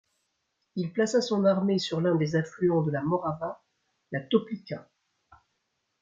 Il plaça son armée sur l'un des affluents de la Morava, la Toplica.